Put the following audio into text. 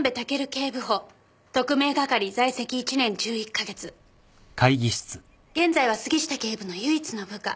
警部補特命係在籍１年１１か月現在は杉下警部の唯一の部下。